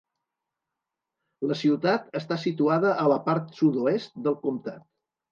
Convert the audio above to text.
La ciutat està situada a la part sud-oest del comtat.